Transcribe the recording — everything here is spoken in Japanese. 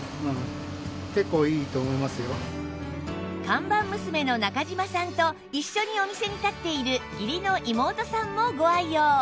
看板娘の中島さんと一緒にお店に立っている義理の妹さんもご愛用